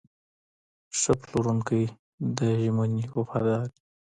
ښه پلورونکی د ژمنې وفادار وي.